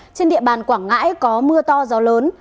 trên địa bàn quảng ngãi có mưa to gió lớn